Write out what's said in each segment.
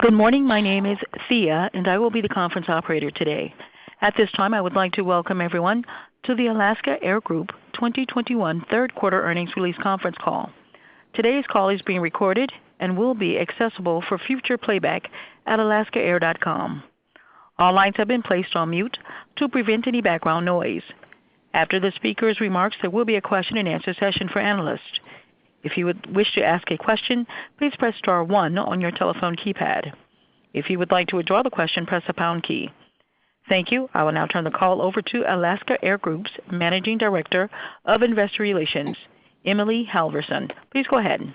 Good morning. My name is Thea, and I will be the conference operator today. At this time, I would like to welcome everyone to the Alaska Air Group 2021 third quarter earnings release conference call. Today's call is being recorded and will be accessible for future playback at alaskaair.com. All lines have been placed on mute to prevent any background noise. After the speaker's remarks, there will be a question-and-answer session for analysts. If you wish to ask a question, please press star one on your telephone keypad. If you would like to withdraw the question, press the pound key. Thank you. I will now turn the call over to Alaska Air Group's Managing Director of Investor Relations, Emily Halverson. Please go ahead.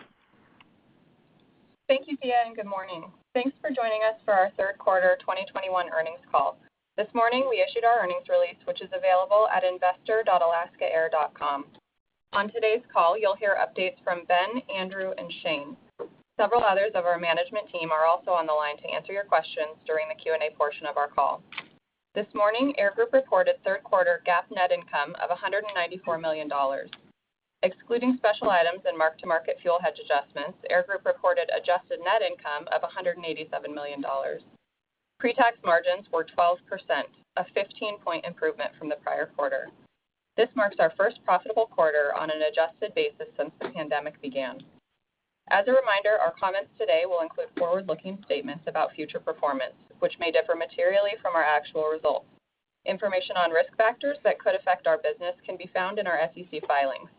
Thank you, Thea. Good morning. Thanks for joining us for our Q3 2021 earnings call. This morning, we issued our earnings release, which is available at investor.alaskaair.com. On today's call, you'll hear updates from Ben, Andrew, and Shane. Several others of our management team are also on the line to answer your questions during the Q&A portion of our call. This morning, Air Group reported Q3 GAAP net income of $194 million. Excluding special items and mark-to-market fuel hedge adjustments, Air Group reported adjusted net income of $187 million. Pre-tax margins were 12%, a 15-point improvement from the prior quarter. This marks our first profitable quarter on an adjusted basis since the pandemic began. As a reminder, our comments today will include forward-looking statements about future performance, which may differ materially from our actual results. Information on risk factors that could affect our business can be found in our SEC filings.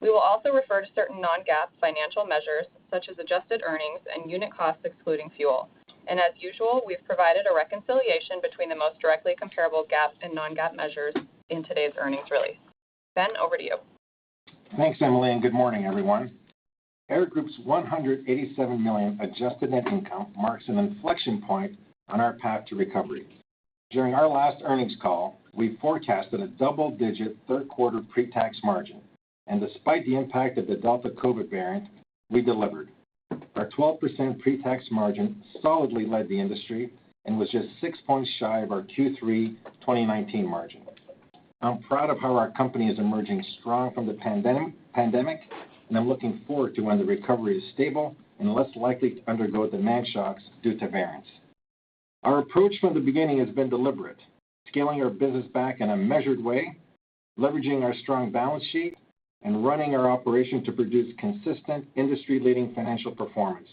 We will also refer to certain non-GAAP financial measures, such as adjusted earnings and unit costs excluding fuel. As usual, we've provided a reconciliation between the most directly comparable GAAP and non-GAAP measures in today's earnings release. Ben, over to you. Thanks, Emily, and good morning, everyone. Air Group's $187 million adjusted net income marks an inflection point on our path to recovery. During our last earnings call, we forecasted a double-digit third-quarter pre-tax margin, and despite the impact of the Delta COVID variant, we delivered. Our 12% pre-tax margin solidly led the industry and was just six points shy of our Q3 2019 margin. I'm proud of how our company is emerging strong from the pandemic, and I'm looking forward to when the recovery is stable and less likely to undergo demand shocks due to variants. Our approach from the beginning has been deliberate, scaling our business back in a measured way, leveraging our strong balance sheet, and running our operation to produce consistent industry-leading financial performance,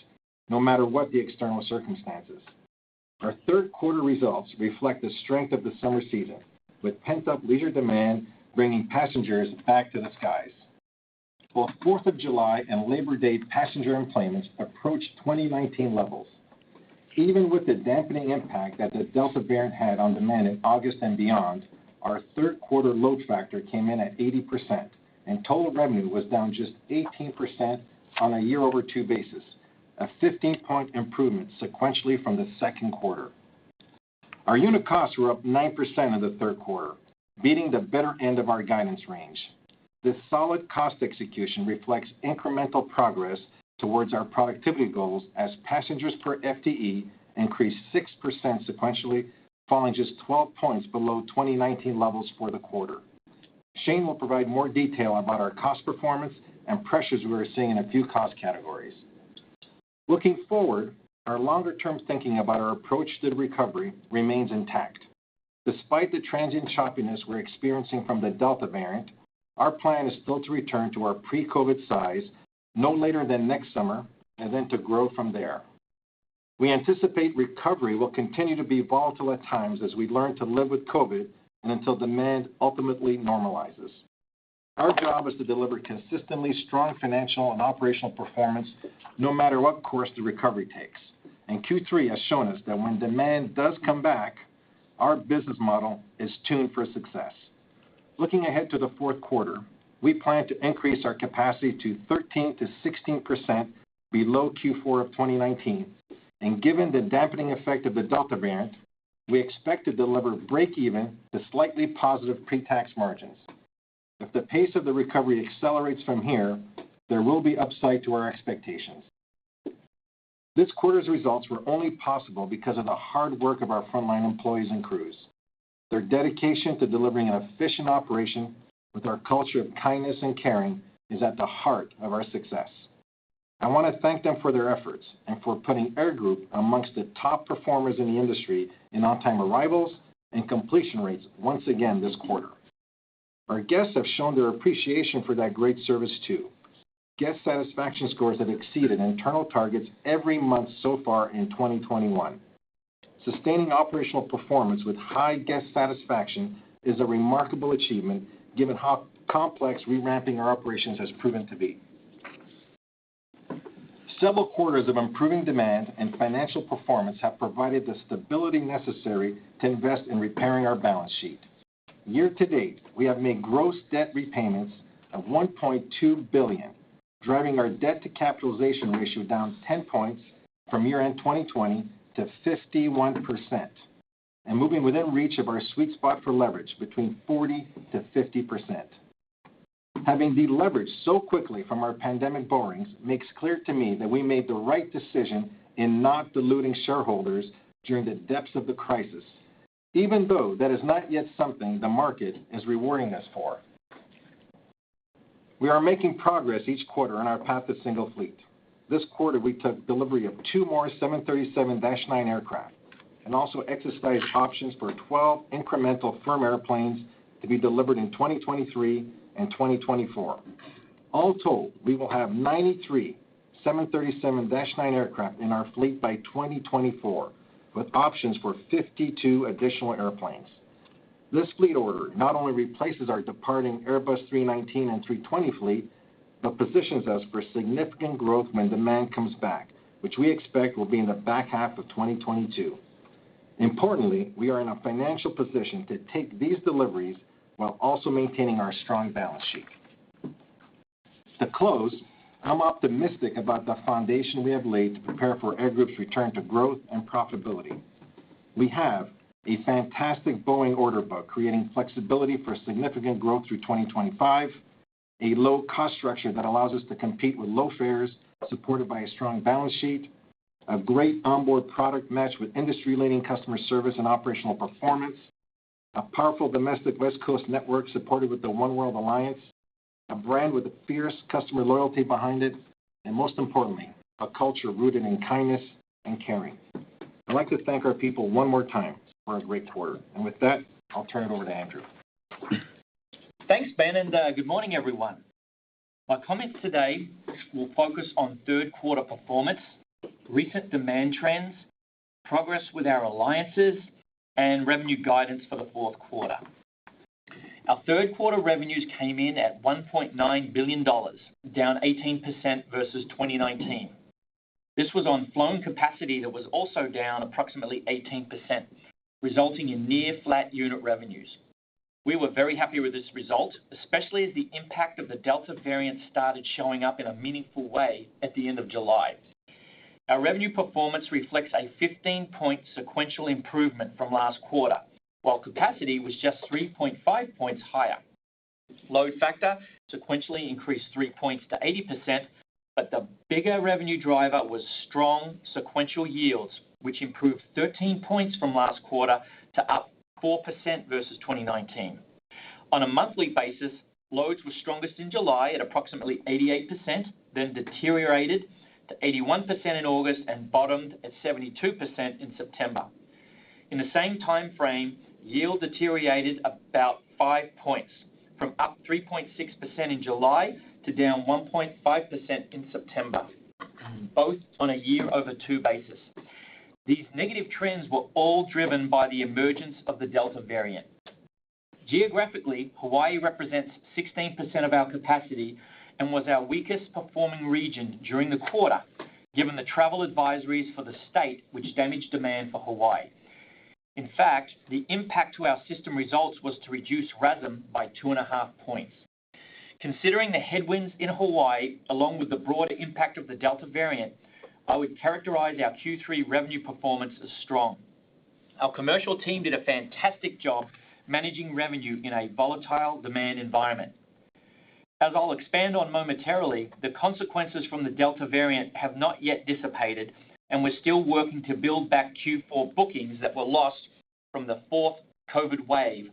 no matter what the external circumstances. Our third quarter results reflect the strength of the summer season, with pent-up leisure demand bringing passengers back to the skies. Both 4th of July and Labor Day passenger enplanements approached 2019 levels. Even with the dampening impact that the Delta variant had on demand in August and beyond, our third quarter load factor came in at 80%, and total revenue was down just 18% on a year-over-two basis, a 15-point improvement sequentially from the second quarter. Our unit costs were up 9% in the third quarter, beating the better end of our guidance range. This solid cost execution reflects incremental progress towards our productivity goals as passengers per FTE increased 6% sequentially, falling just 12 points below 2019 levels for the quarter. Shane will provide more detail about our cost performance and pressures we are seeing in a few cost categories. Looking forward, our longer-term thinking about our approach to the recovery remains intact. Despite the transient choppiness we're experiencing from the Delta variant, our plan is still to return to our pre-COVID size no later than next summer, and then to grow from there. We anticipate recovery will continue to be volatile at times as we learn to live with COVID and until demand ultimately normalizes. Our job is to deliver consistently strong financial and operational performance no matter what course the recovery takes, and Q3 has shown us that when demand does come back, our business model is tuned for success. Looking ahead to the fourth quarter, we plan to increase our capacity to 13%-16% below Q4 of 2019, and given the dampening effect of the Delta variant, we expect to deliver breakeven to slightly positive pre-tax margins. If the pace of the recovery accelerates from here, there will be upside to our expectations. This quarter's results were only possible because of the hard work of our frontline employees and crews. Their dedication to delivering an efficient operation with our culture of kindness and caring is at the heart of our success. I want to thank them for their efforts and for putting Alaska Air Group amongst the top performers in the industry in on-time arrivals and completion rates once again this quarter. Our guests have shown their appreciation for that great service, too. Guest satisfaction scores have exceeded internal targets every month so far in 2021. Sustaining operational performance with high guest satisfaction is a remarkable achievement given how complex re-ramping our operations has proven to be. Several quarters of improving demand and financial performance have provided the stability necessary to invest in repairing our balance sheet. Year to date, we have made gross debt repayments of $1.2 billion, driving our debt to capitalization ratio down 10 points from year-end 2020 to 51%, and moving within reach of our sweet spot for leverage between 40%-50%. Having de-leveraged so quickly from our pandemic borrowings makes clear to me that we made the right decision in not diluting shareholders during the depths of the crisis, even though that is not yet something the market is rewarding us for. We are making progress each quarter on our path to single fleet. This quarter, we took delivery of two more Boeing 737-9 aircraft and also exercised options for 12 incremental firm airplanes to be delivered in 2023 and 2024. All told, we will have 93 Boeing 737-9 aircraft in our fleet by 2024, with options for 52 additional airplanes. This fleet order not only replaces our departing Airbus A319 and A320 fleet, but positions us for significant growth when demand comes back, which we expect will be in the back half of 2022. Importantly, we are in a financial position to take these deliveries while also maintaining our strong balance sheet. To close, I'm optimistic about the foundation we have laid to prepare for Air Group's return to growth and profitability. We have a fantastic Boeing order book creating flexibility for significant growth through 2025, a low-cost structure that allows us to compete with low fares supported by a strong balance sheet, a great onboard product match with industry-leading customer service and operational performance, a powerful domestic West Coast network supported with the oneworld alliance, a brand with a fierce customer loyalty behind it, and most importantly, a culture rooted in kindness and caring. I'd like to thank our people one more time for a great quarter. With that, I'll turn it over to Andrew. Thanks, Ben. Good morning, everyone. My comments today will focus on third quarter performance, recent demand trends, progress with our alliances, and revenue guidance for the fourth quarter. Our third quarter revenues came in at $1.9 billion, down 18% versus 2019. This was on flown capacity that was also down approximately 18%, resulting in near flat unit revenues. We were very happy with this result, especially as the impact of the delta variant started showing up in a meaningful way at the end of July. Our revenue performance reflects a 15-point sequential improvement from last quarter, while capacity was just 3.5 points higher. Load factor sequentially increased three points to 80%. The bigger revenue driver was strong sequential yields, which improved 13 points from last quarter to up 4% versus 2019. On a monthly basis, loads were strongest in July at approximately 88%, then deteriorated to 81% in August and bottomed at 72% in September. In the same time frame, yield deteriorated about five points, from up 3.6% in July to down 1.5% in September, both on a year over two basis. These negative trends were all driven by the emergence of the delta variant. Geographically, Hawaii represents 16% of our capacity and was our weakest performing region during the quarter, given the travel advisories for the state which damaged demand for Hawaii. In fact, the impact to our system results was to reduce RASM by two and a half points. Considering the headwinds in Hawaii, along with the broader impact of the delta variant, I would characterize our Q3 revenue performance as strong. Our commercial team did a fantastic job managing revenue in a volatile demand environment. As I'll expand on momentarily, the consequences from the delta variant have not yet dissipated, and we're still working to build back Q4 bookings that were lost from the fourth COVID wave,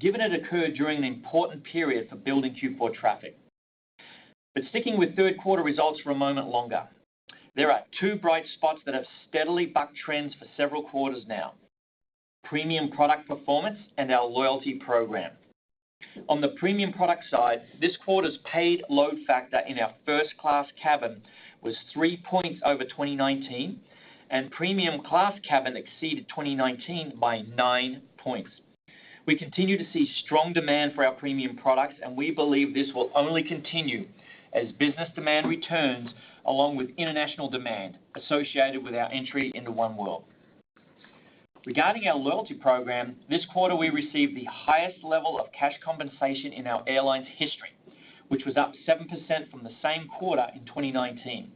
given it occurred during an important period for building Q4 traffic. Sticking with third quarter results for a moment longer, there are two bright spots that have steadily bucked trends for several quarters now: premium product performance and our loyalty program. On the premium product side, this quarter's paid load factor in our first-class cabin was three points over 2019, and premium class cabin exceeded 2019 by nine points. We continue to see strong demand for our premium products, and we believe this will only continue as business demand returns along with international demand associated with our entry into Oneworld. Regarding our loyalty program, this quarter we received the highest level of cash compensation in our airline's history, which was up 7% from the same quarter in 2019.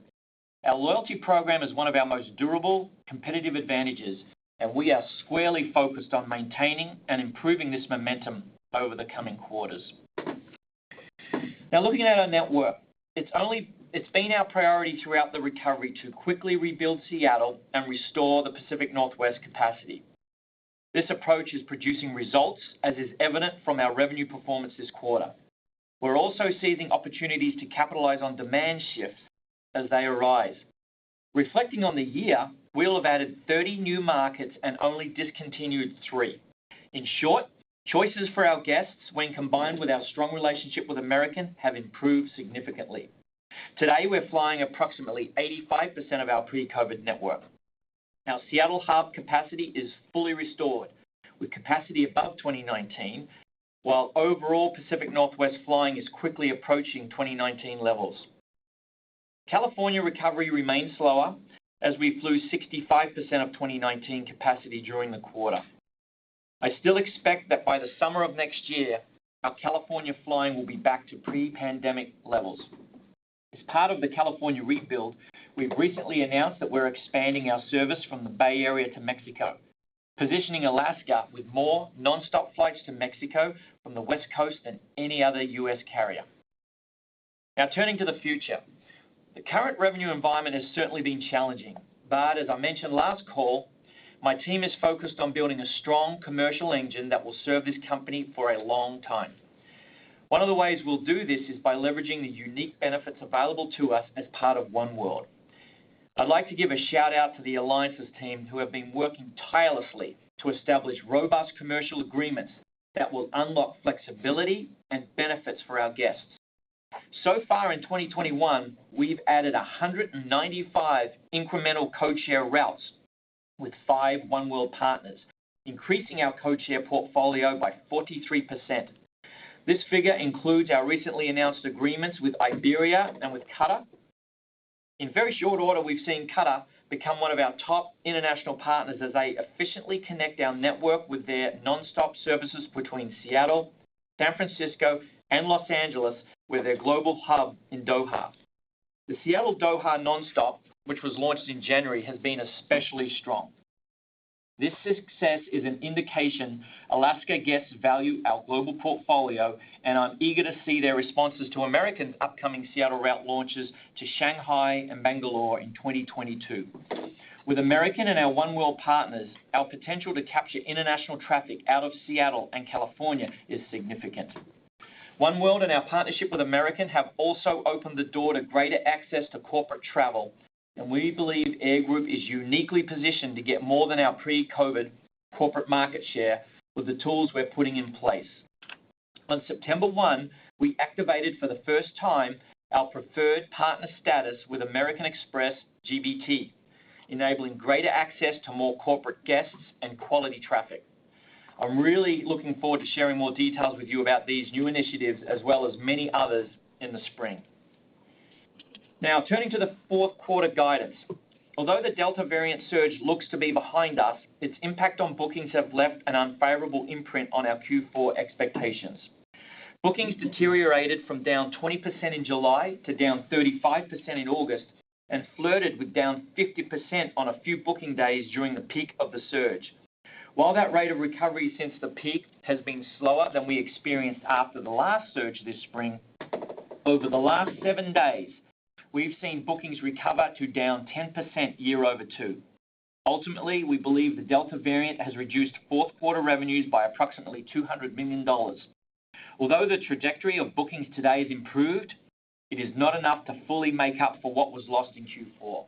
Our loyalty program is one of our most durable competitive advantages, and we are squarely focused on maintaining and improving this momentum over the coming quarters. Now looking at our network, it's been our priority throughout the recovery to quickly rebuild Seattle and restore the Pacific Northwest capacity. This approach is producing results, as is evident from our revenue performance this quarter. We're also seizing opportunities to capitalize on demand shifts as they arise. Reflecting on the year, we'll have added 30 new markets and only discontinued three. In short, choices for our guests when combined with our strong relationship with American, have improved significantly. Today, we're flying approximately 85% of our pre-COVID network. Now, Seattle hub capacity is fully restored with capacity above 2019, while overall Pacific Northwest flying is quickly approaching 2019 levels. California recovery remains slower as we flew 65% of 2019 capacity during the quarter. I still expect that by the summer of next year, our California flying will be back to pre-pandemic levels. As part of the California rebuild, we've recently announced that we're expanding our service from the Bay Area to Mexico, positioning Alaska with more nonstop flights to Mexico from the West Coast than any other U.S. carrier. Now turning to the future. The current revenue environment has certainly been challenging, but as I mentioned last call, my team is focused on building a strong commercial engine that will serve this company for a long time. One of the ways we'll do this is by leveraging the unique benefits available to us as part of Oneworld. I'd like to give a shout-out to the alliances team who have been working tirelessly to establish robust commercial agreements that will unlock flexibility and benefits for our guests. So far in 2021, we've added 195 incremental codeshare routes with five Oneworld partners, increasing our codeshare portfolio by 43%. This figure includes our recently announced agreements with Iberia and with Qatar. In very short order, we've seen Qatar become one of our top international partners as they efficiently connect our network with their nonstop services between Seattle, San Francisco, and Los Angeles with their global hub in Doha. The Seattle-Doha nonstop, which was launched in January, has been especially strong. This success is an indication Alaska guests value our global portfolio, and I'm eager to see their responses to American's upcoming Seattle route launches to Shanghai and Bangalore in 2022. With American and our Oneworld partners, our potential to capture international traffic out of Seattle and California is significant. Oneworld and our partnership with American have also opened the door to greater access to corporate travel, and we believe Air Group is uniquely positioned to get more than our pre-COVID corporate market share with the tools we're putting in place. On September 1, we activated for the first time our preferred partner status with American Express GBT, enabling greater access to more corporate guests and quality traffic. I'm really looking forward to sharing more details with you about these new initiatives as well as many others in the spring. Turning to the fourth quarter guidance. Although the Delta variant surge looks to be behind us, its impact on bookings have left an unfavorable imprint on our Q4 expectations. Bookings deteriorated from down 20% in July to down 35% in August and flirted with down 50% on a few booking days during the peak of the surge. While that rate of recovery since the peak has been slower than we experienced after the last surge this spring, over the last seven days, we've seen bookings recover to down 10% year-over-two. Ultimately, we believe the Delta variant has reduced fourth quarter revenues by approximately $200 million. Although the trajectory of bookings today has improved, it is not enough to fully make up for what was lost in Q4.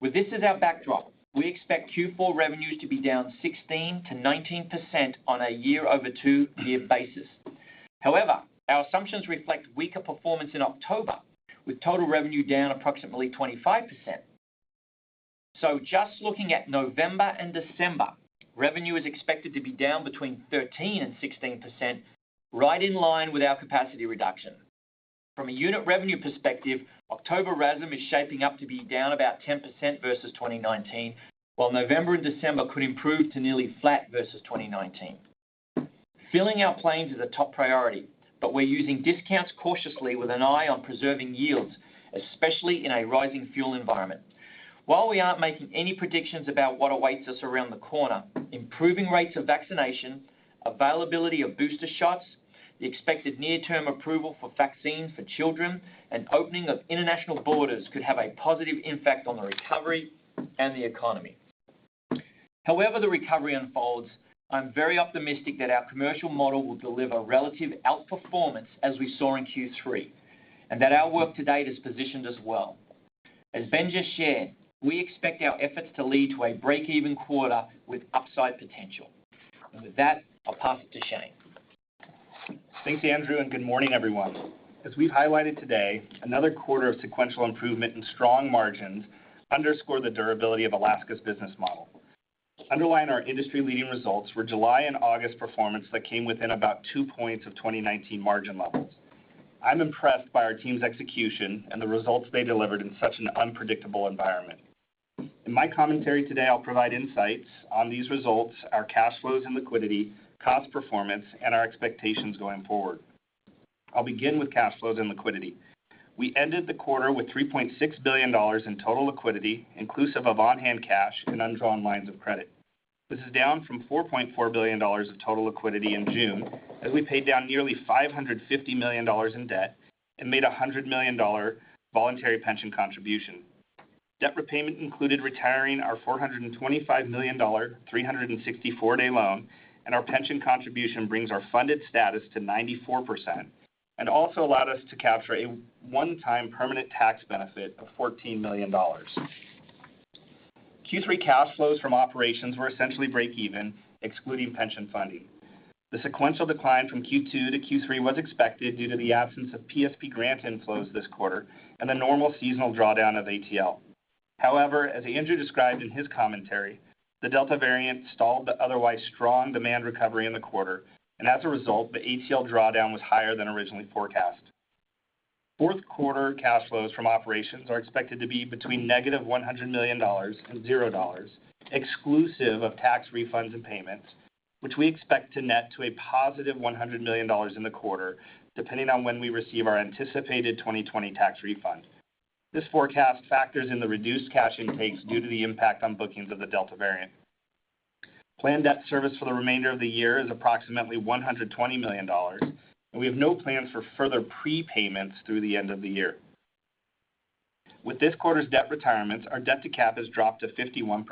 With this as our backdrop, we expect Q4 revenues to be down 16%-19% on a year-over-two-year basis. However, our assumptions reflect weaker performance in October, with total revenue down approximately 25%. Just looking at November and December, revenue is expected to be down between 13% and 16%, right in line with our capacity reduction. From a unit revenue perspective, October RASM is shaping up to be down about 10% versus 2019, while November and December could improve to nearly flat versus 2019. Filling our planes is a top priority, we're using discounts cautiously with an eye on preserving yields, especially in a rising fuel environment. While we aren't making any predictions about what awaits us around the corner, improving rates of vaccination, availability of booster shots, the expected near-term approval for vaccines for children, and opening of international borders could have a positive impact on the recovery and the economy. However the recovery unfolds, I'm very optimistic that our commercial model will deliver relative outperformance as we saw in Q3, and that our work to date has positioned us well. As Ben just shared, we expect our efforts to lead to a break-even quarter with upside potential. With that, I'll pass it to Shane. Thanks, Andrew, and good morning, everyone. As we've highlighted today, another quarter of sequential improvement and strong margins underscore the durability of Alaska's business model. Underlying our industry-leading results were July and August performance that came within about two points of 2019 margin levels. I'm impressed by our team's execution and the results they delivered in such an unpredictable environment. In my commentary today, I'll provide insights on these results, our cash flows and liquidity, cost performance, and our expectations going forward. I'll begin with cash flows and liquidity. We ended the quarter with $3.6 billion in total liquidity, inclusive of on-hand cash and undrawn lines of credit. This is down from $4.4 billion of total liquidity in June, as we paid down nearly $550 million in debt and made $100 million voluntary pension contribution. Debt repayment included retiring our $425 million 364-day loan, and our pension contribution brings our funded status to 94% and also allowed us to capture a one-time permanent tax benefit of $14 million. Q3 cash flows from operations were essentially break even, excluding pension funding. The sequential decline from Q2 to Q3 was expected due to the absence of PSP grant inflows this quarter and the normal seasonal drawdown of ATL. As Andrew described in his commentary, the Delta variant stalled the otherwise strong demand recovery in the quarter, and as a result, the ATL drawdown was higher than originally forecast. Fourth quarter cash flows from operations are expected to be between negative $100 million and $0, exclusive of tax refunds and payments, which we expect to net to a positive $100 million in the quarter, depending on when we receive our anticipated 2020 tax refund. This forecast factors in the reduced cash intakes due to the impact on bookings of the Delta variant. Planned debt service for the remainder of the year is approximately $120 million. We have no plans for further prepayments through the end of the year. With this quarter's debt retirements, our debt to cap has dropped to 51%,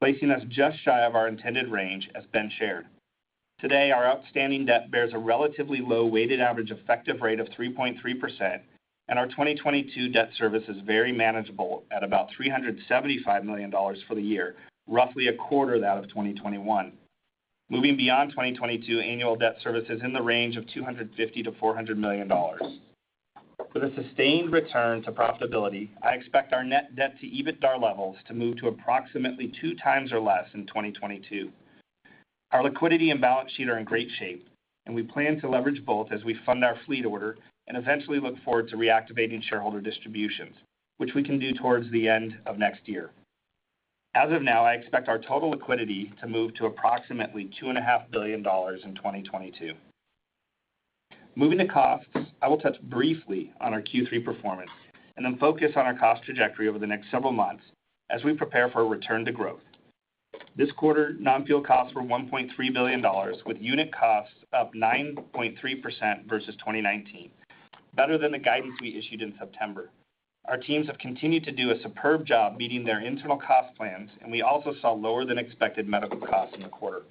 placing us just shy of our intended range as Ben shared. Today, our outstanding debt bears a relatively low weighted average effective rate of 3.3%. Our 2022 debt service is very manageable at about $375 million for the year, roughly a quarter that of 2021. Moving beyond 2022, annual debt service is in the range of $250 million-$400 million. With a sustained return to profitability, I expect our net debt to EBITDA levels to move to approximately two times or less in 2022. Our liquidity and balance sheet are in great shape, and we plan to leverage both as we fund our fleet order and eventually look forward to reactivating shareholder distributions, which we can do towards the end of next year. As of now, I expect our total liquidity to move to approximately $2.5 billion in 2022. Moving to costs, I will touch briefly on our Q3 performance and then focus on our cost trajectory over the next several months as we prepare for a return to growth. This quarter, non-fuel costs were $1.3 billion, with unit costs up 9.3% versus 2019, better than the guidance we issued in September. Our teams have continued to do a superb job meeting their internal cost plans, and we also saw lower-than-expected medical costs in the quarter.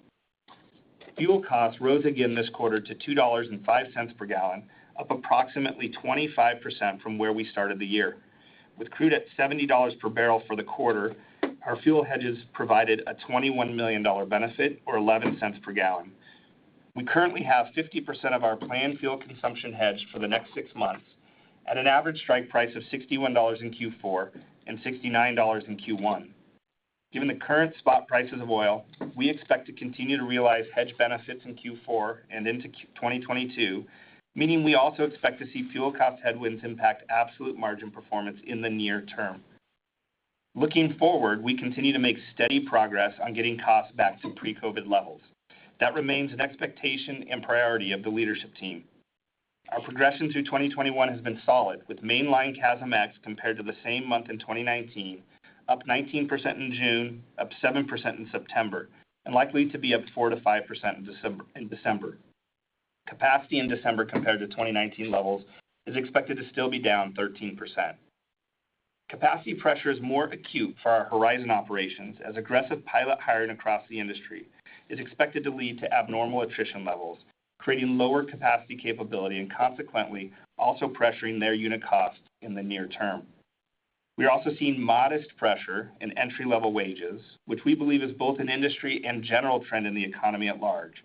Fuel costs rose again this quarter to $2.05 per gallon, up approximately 25% from where we started the year. With crude at $70 per barrel for the quarter, our fuel hedges provided a $21 million benefit or $0.11 per gallon. We currently have 50% of our planned fuel consumption hedged for the next six months at an average strike price of $61 in Q4 and $69 in Q1. Given the current spot prices of oil, we expect to continue to realize hedge benefits in Q4 and into 2022, meaning we also expect to see fuel cost headwinds impact absolute margin performance in the near term. Looking forward, we continue to make steady progress on getting costs back to pre-COVID levels. That remains an expectation and priority of the leadership team. Our progression through 2021 has been solid, with mainline CASMx compared to the same month in 2019, up 19% in June, up 7% in September, and likely to be up 4%-5% in December. Capacity in December compared to 2019 levels is expected to still be down 13%. Capacity pressure is more acute for our Horizon Air operations, as aggressive pilot hiring across the industry is expected to lead to abnormal attrition levels, creating lower capacity capability and consequently also pressuring their unit costs in the near term. We are also seeing modest pressure in entry-level wages, which we believe is both an industry and general trend in the economy at large,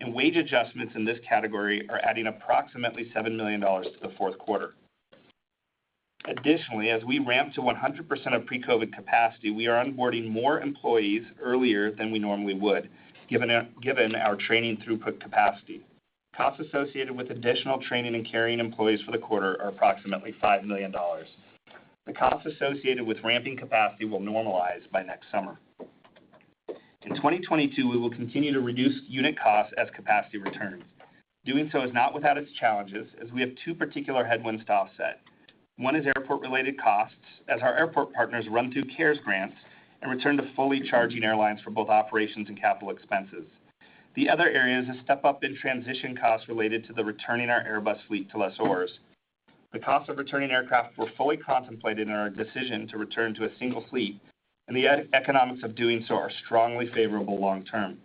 and wage adjustments in this category are adding approximately $7 million to the fourth quarter. Additionally, as we ramp to 100% of pre-COVID capacity, we are onboarding more employees earlier than we normally would, given our training throughput capacity. Costs associated with additional training and carrying employees for the quarter are approximately $5 million. The costs associated with ramping capacity will normalize by next summer. In 2022, we will continue to reduce unit costs as capacity returns. Doing so is not without its challenges, as we have two particular headwinds to offset. One is airport-related costs as our airport partners run through CARES grants and return to fully charging airlines for both operations and capital expenses. The other area is a step-up in transition costs related to the returning our Airbus fleet to lessors. The cost of returning aircraft were fully contemplated in our decision to return to a single fleet, and the economics of doing so are strongly favorable long-term.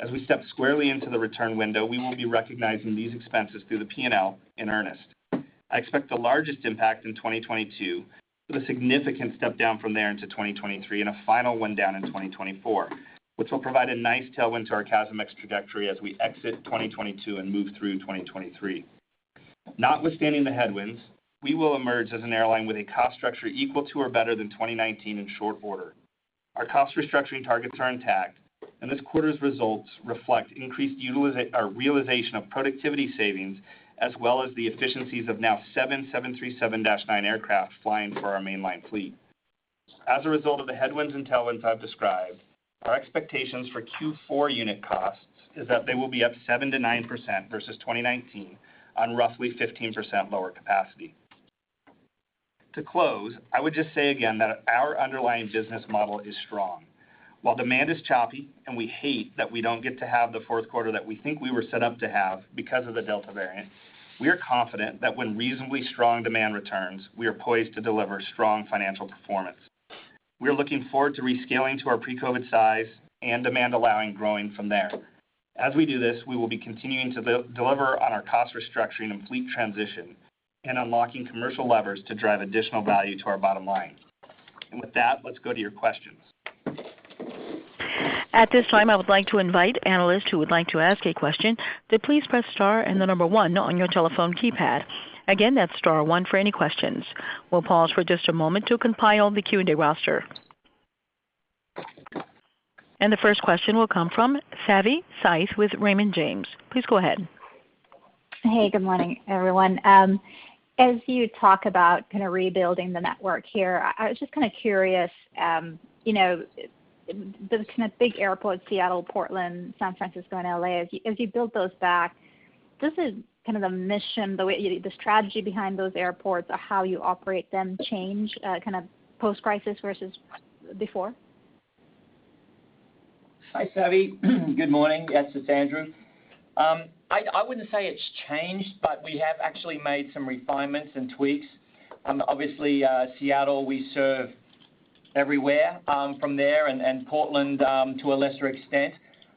As we step squarely into the return window, we will be recognizing these expenses through the P&L in earnest. I expect the largest impact in 2022, with a significant step-down from there into 2023 and a final one down in 2024, which will provide a nice tailwind to our CASMx trajectory as we exit 2022 and move through 2023. Notwithstanding the headwinds, we will emerge as an airline with a cost structure equal to or better than 2019 in short order. Our cost restructuring targets are intact, and this quarter's results reflect increased realization of productivity savings, as well as the efficiencies of now seven 737-9 aircraft flying for our mainline fleet. As a result of the headwinds and tailwinds I've described, our expectations for Q4 unit costs is that they will be up 7%-9% versus 2019 on roughly 15% lower capacity. To close, I would just say again that our underlying business model is strong. While demand is choppy and we hate that we don't get to have the fourth quarter that we think we were set up to have because of the Delta variant, we are confident that when reasonably strong demand returns, we are poised to deliver strong financial performance. We are looking forward to rescaling to our pre-COVID size and demand allowing growing from there. As we do this, we will be continuing to deliver on our cost restructuring and fleet transition and unlocking commercial levers to drive additional value to our bottom line. With that, let's go to your questions. At this time, I would like to invite analysts who would like to ask a question to please press star and the number one on your telephone keypad. Again, that's star one for any questions. We'll pause for just a moment to compile the Q&A roster. The first question will come from Savi Syth with Raymond James. Please go ahead. Hey, good morning, everyone. As you talk about kind of rebuilding the network here, I was just kind of curious, those kind of big airports, Seattle, Portland, San Francisco, and L.A., as you build those back, does the mission, the way the strategy behind those airports or how you operate them change post-crisis versus before? Hi, Savi. Good morning. Yes, it's Andrew. I wouldn't say it's changed, but we have actually made some refinements and tweaks. Obviously, Seattle we serve everywhere from there, and Portland to a lesser extent.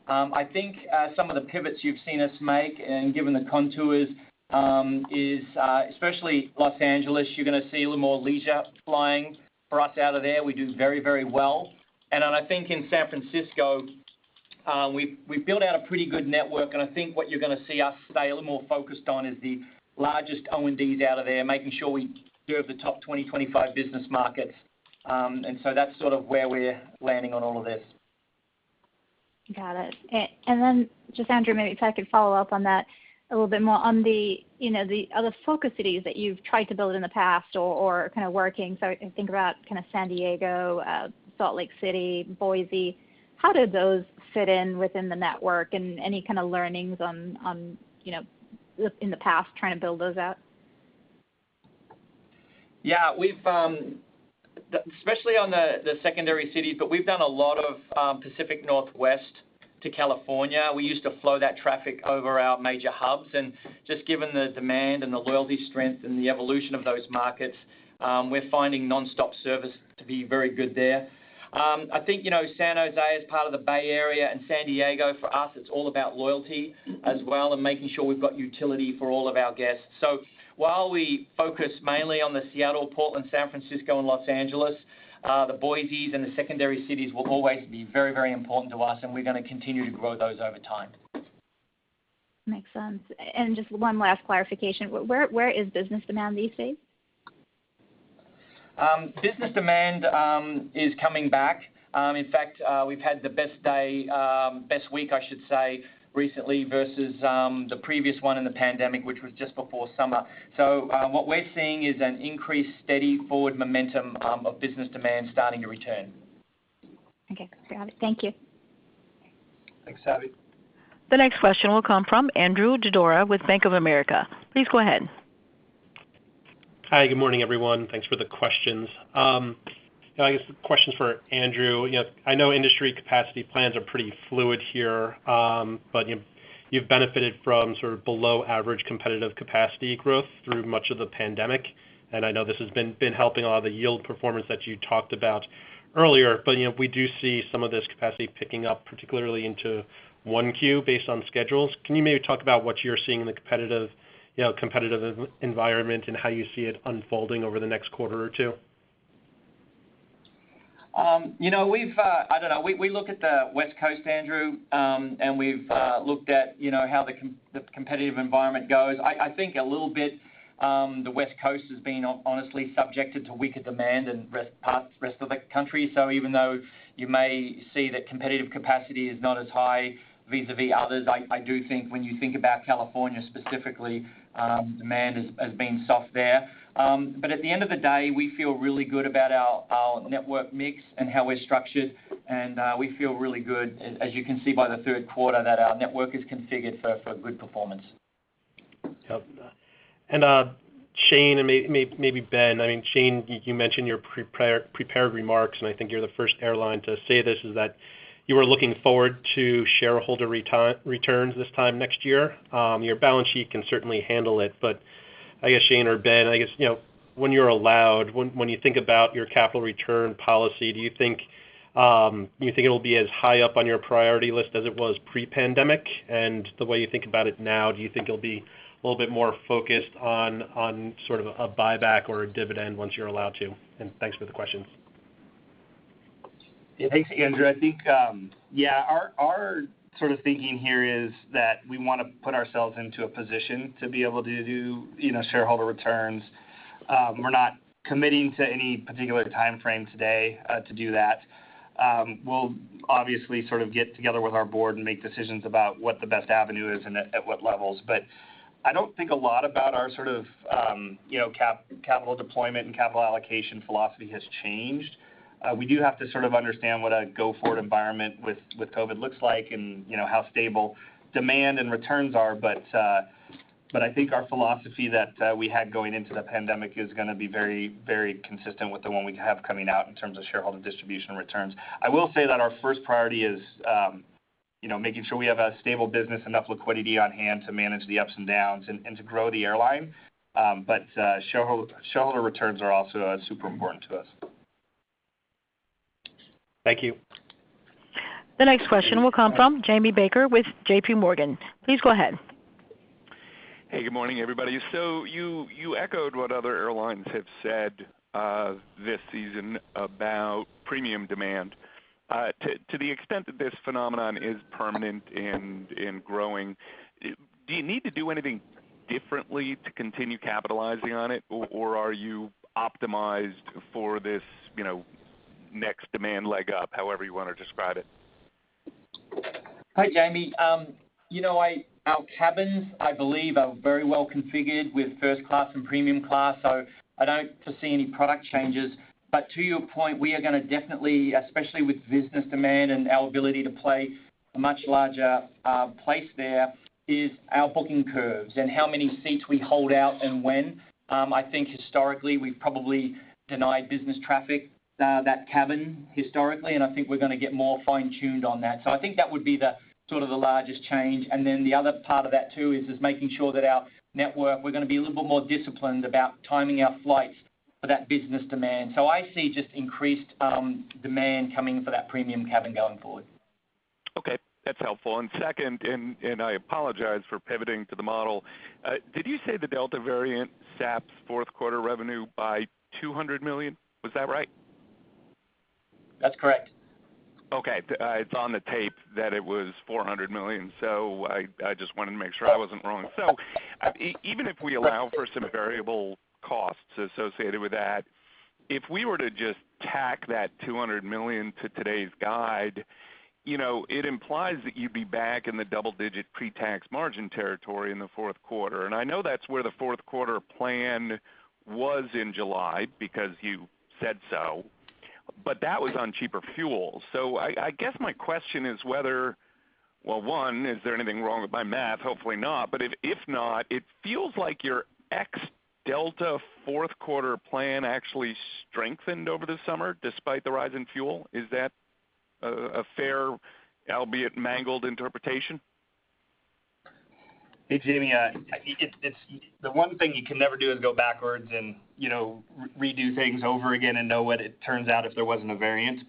I think some of the pivots you've seen us make, and given the contours, is especially Los Angeles, you're going to see a little more leisure flying for us out of there. We do very well. I think in San Francisco, we've built out a pretty good network, and I think what you're going to see us stay a little more focused on is the largest O&Ds out of there, making sure we serve the top 20, 25 business markets. That's sort of where we're landing on all of this. Got it. Just Andrew, maybe if I could follow up on that a little bit more on the other focus cities that you've tried to build in the past or are kind of working. I can think about San Diego, Salt Lake City, Boise. How do those fit in within the network, and any kind of learnings in the past trying to build those out? Especially on the secondary cities, but we've done a lot of Pacific Northwest to California. We used to flow that traffic over our major hubs, just given the demand and the loyalty strength and the evolution of those markets, we're finding nonstop service to be very good there. I think San Jose as part of the Bay Area and San Diego, for us, it's all about loyalty as well and making sure we've got utility for all of our guests. While we focus mainly on the Seattle, Portland, San Francisco, and Los Angeles, the Boises and the secondary cities will always be very important to us, we're going to continue to grow those over time. Makes sense. Just one last clarification. Where is business demand these days? Business demand is coming back. In fact, we've had the best week, I should say, recently versus the previous one in the pandemic, which was just before summer. What we're seeing is an increased steady forward momentum of business demand starting to return. Okay. Copy that. Thank you. Thanks, Savi. The next question will come from Andrew Didora with Bank of America. Please go ahead. Hi. Good morning, everyone. Thanks for the questions. I guess the question's for Andrew. I know industry capacity plans are pretty fluid here, but you've benefited from sort of below average competitive capacity growth through much of the pandemic, and I know this has been helping a lot of the yield performance that you talked about earlier. We do see some of this capacity picking up, particularly into 1Q based on schedules. Can you maybe talk about what you're seeing in the competitive environment and how you see it unfolding over the next quarter or two? I don't know. We look at the West Coast, Andrew, and we've looked at how the competitive environment goes. I think a little bit the West Coast has been honestly subjected to weaker demand than rest of the country. Even though you may see that competitive capacity is not as high vis-a-vis others, I do think when you think about California specifically, demand has been soft there. At the end of the day, we feel really good about our network mix and how we're structured, and we feel really good as you can see by the third quarter that our network is configured for good performance. Yep. Shane, maybe Ben. Shane, you mentioned your prepared remarks, I think you're the first airline to say this, is that you are looking forward to shareholder returns this time next year. Your balance sheet can certainly handle it, I guess Shane or Ben, when you're allowed, when you think about your capital return policy, do you think it'll be as high up on your priority list as it was pre-pandemic? The way you think about it now, do you think it'll be a little bit more focused on sort of a buyback or a dividend once you're allowed to? Thanks for the questions. Yeah. Thanks, Andrew. I think, our sort of thinking here is that we want to put ourselves into a position to be able to do shareholder returns. We're not committing to any particular timeframe today to do that. We'll obviously sort of get together with our board and make decisions about what the best avenue is and at what levels. I don't think a lot about our sort of capital deployment and capital allocation philosophy has changed. We do have to sort of understand what a go-forward environment with COVID looks like and how stable demand and returns are. I think our philosophy that we had going into the pandemic is going to be very consistent with the one we have coming out in terms of shareholder distribution returns. I will say that our first priority is making sure we have a stable business, enough liquidity on hand to manage the ups and downs, and to grow the airline. Shareholder returns are also super important to us. Thank you. The next question will come from Jamie Baker with J.P. Morgan. Please go ahead. Hey, good morning, everybody. You echoed what other airlines have said this season about premium demand. To the extent that this phenomenon is permanent and growing, do you need to do anything differently to continue capitalizing on it, or are you optimized for this next demand leg up, however you want to describe it? Hey, Jamie. Our cabins, I believe, are very well-configured with first class and premium class, so I don't foresee any product changes. To your point, we are going to definitely, especially with business demand and our ability to play a much larger place there, is our booking curves and how many seats we hold out and when. I think historically, we've probably denied business traffic that cabin historically, and I think we're going to get more fine-tuned on that. I think that would be the largest change. The other part of that too is just making sure that our network, we're going to be a little bit more disciplined about timing our flights for that business demand. I see just increased demand coming for that premium cabin going forward. Okay. That's helpful. Second, and I apologize for pivoting to the model. Did you say the Delta variant saps fourth quarter revenue by $200 million? Was that right? That's correct. It's on the tape that it was $400 million, I just wanted to make sure I wasn't wrong. Even if we allow for some variable costs associated with that, if we were to just tack that $200 million to today's guide, it implies that you'd be back in the double-digit pre-tax margin territory in the fourth quarter. I know that's where the fourth quarter plan was in July, because you said so. That was on cheaper fuel. I guess my question is whether, well, one, is there anything wrong with my math? Hopefully not. If not, it feels like your ex Delta fourth quarter plan actually strengthened over the summer, despite the rise in fuel. Is that a fair, albeit mangled interpretation? Hey, Jamie. The one thing you can never do is go backwards and redo things over again and know what it turns out if there wasn't a variance.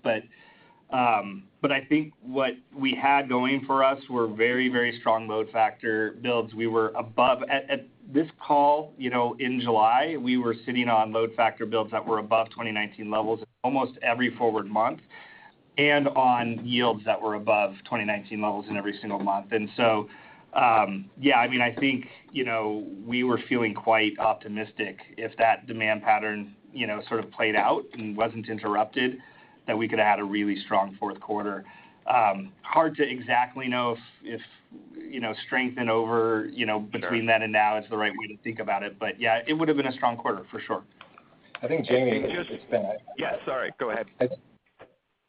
I think what we had going for us were very strong load factor builds. At this call, in July, we were sitting on load factor builds that were above 2019 levels almost every forward month, and on yields that were above 2019 levels in every single month. Yeah, I think we were feeling quite optimistic if that demand pattern sort of played out and wasn't interrupted, that we could have had a really strong fourth quarter. Hard to exactly know if strength over between then and now is the right way to think about it. Yeah, it would've been a strong quarter, for sure. I think Jamie. Yeah, sorry, go ahead.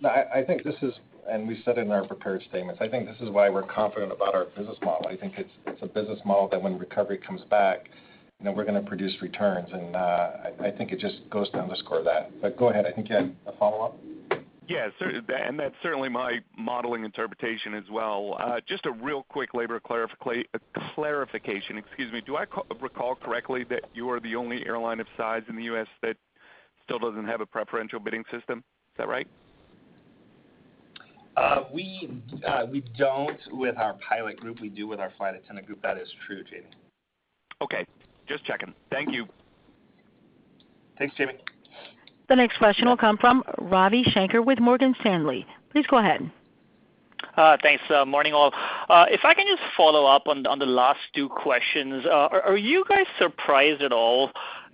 I think this is, and we said it in our prepared statements, I think this is why we're confident about our business model. I think it's a business model that when recovery comes back, we're going to produce returns, and I think it just goes to underscore that. Go ahead, I think you had a follow-up? That's certainly my modeling interpretation as well. Just a real quick labor clarification, excuse me. Do I recall correctly that you are the only airline of size in the U.S. that still doesn't have a preferential bidding system? Is that right? We don't with our pilot group. We do with our flight attendant group. That is true, Jamie. Okay. Just checking. Thank you. Thanks, Jamie. The next question will come from Ravi Shanker with Morgan Stanley. Please go ahead. Thanks. Morning, all. If I can just follow up on the last two questions. Are you guys surprised at all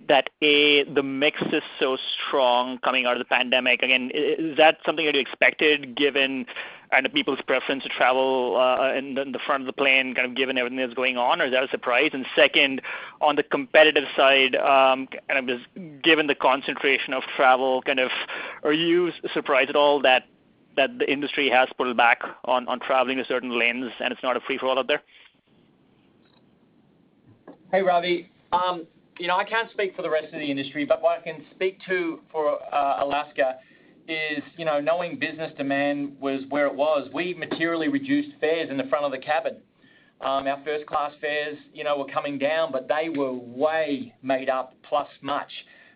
that, A, the mix is so strong coming out of the pandemic? Again, is that something that you expected given people's preference to travel in the front of the plane, kind of given everything that's going on, or is that a surprise? Second, on the competitive side, and just given the concentration of travel kind of, are you surprised at all that the industry has pulled back on traveling to certain lanes and it's not a free-for-all out there? Hey, Ravi. I can't speak for the rest of the industry, but what I can speak to for Alaska is, knowing business demand was where it was, we materially reduced fares in the front of the cabin. Our first class fares were coming down, but they were way made up plus much